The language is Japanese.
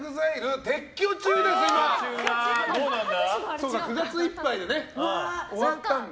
そうか９月いっぱいで終わったんで。